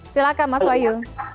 silakan mas wahyu